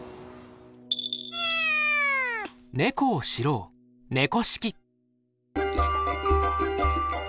猫を知ろう「猫識」。